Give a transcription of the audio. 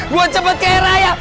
gue cepet ke raya